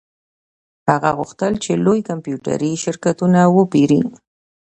هغه غوښتل چې لوی کمپیوټري شرکتونه وپیري